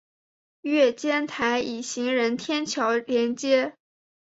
月台间以行人天桥连接。